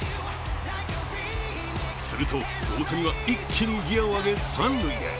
すると大谷は一気にギアを上げ三塁へ。